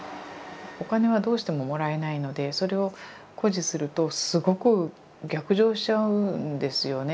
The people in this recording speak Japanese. お金はどうしてももらえないのでそれを固辞するとすごく逆上しちゃうんですよね。